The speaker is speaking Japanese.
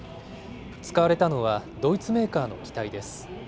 使われたのは、ドイツメーカーの機体です。